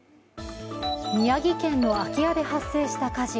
宮城県の空き家で発生した火事。